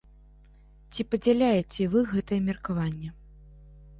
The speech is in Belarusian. Ці падзяляеце вы гэтае меркаванне?